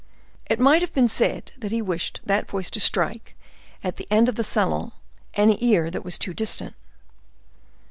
It might have been said that he wished that voice to strike, at the end of the salon, any ear that was too distant.